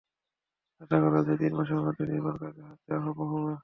আশা করা যায়, তিন মাসের মধ্যে নির্মাণকাজে হাত দেওয়া সম্ভব হবে।